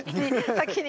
先に。